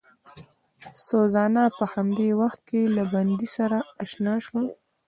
سوزانا په همدې وخت کې له بندي سره اشنا شوه.